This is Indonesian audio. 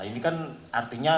ini kan artinya